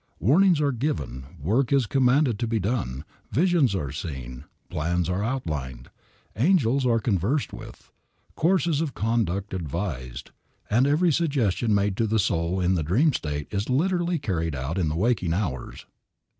Warnings are given, work is commanded to be done, visions are seen, plans are outlined, angels are conversed with, courses of conduct advised; and every suggestion made to the soul in the dream state is literally carried out in the waking hours.